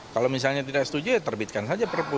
kalau misalnya tidak setuju ya terbitkan saja perpu